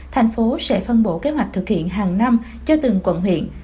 thành phố sẽ phân bổ kế hoạch thực hiện hàng năm cho từng quận huyện